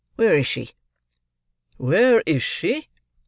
Where is she?" "Where is she?"